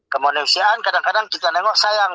kemanusiaan kadang kadang kita nengok sayang